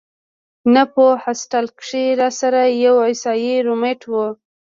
نو پۀ هاسټل کښې راسره يو عيسائي رومېټ وۀ